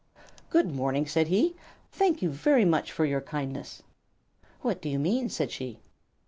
"Good morning!" said he. "Thank you very much for your kindness." "What do you mean?" said she.